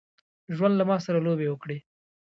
ژوند له ماسره لوبي وکړي.